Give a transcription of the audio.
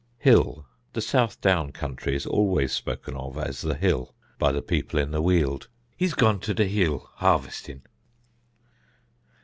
Hill (The Southdown country is always spoken of as "The Hill" by the people in the Weald): "He's gone to the hill, harvesting."